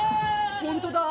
本当だ。